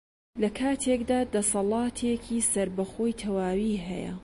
لەکاتێکدا دەسەڵاتێکی سەربەخۆی تەواوی هەیە